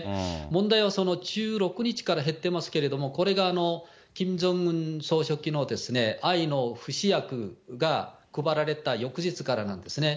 問題はその１６日から減ってますけれども、これがキム・ジョンウン総書記の愛の不死薬が配られた翌日からなんですね。